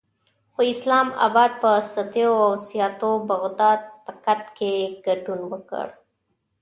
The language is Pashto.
خو اسلام اباد په سیتو او سیاتو او بغداد پکت کې ګډون وکړ.